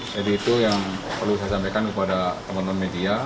jadi itu yang perlu saya sampaikan kepada teman teman media